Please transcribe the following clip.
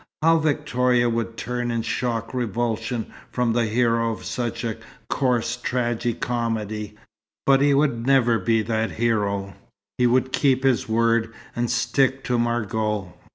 How Victoria would turn in shocked revulsion from the hero of such a coarse tragi comedy. But he would never be that hero. He would keep his word and stick to Margot.